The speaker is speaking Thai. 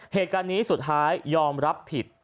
เหตุการณ์นี้สุดท้ายยอมรับผิด